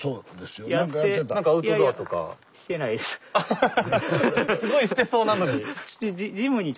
すごいしてそうなのに。